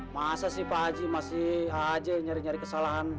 masa sih pak haji masih aja nyari nyari kesalahan